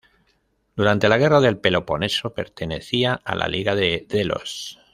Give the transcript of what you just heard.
Durante la Guerra del Peloponeso pertenecía a la Liga de Delos.